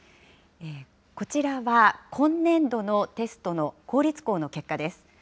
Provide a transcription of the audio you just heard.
こちらは今年度のテストの公立校の結果です。